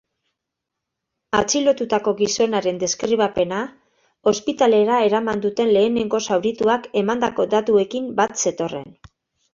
Atxilotutako gizonaren deskribapena, ospitalera eraman duten lehenengo zaurituak emandako datuekin bat zetorren.